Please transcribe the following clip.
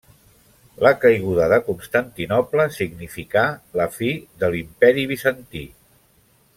La caiguda de Constantinoble significà la fi de l'imperi Bizantí.